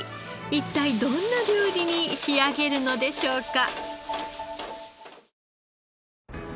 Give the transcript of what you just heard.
一体どんな料理に仕上げるのでしょうか？